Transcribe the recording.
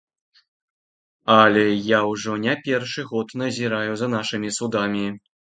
Але я ўжо не першы год назіраю за нашымі судамі.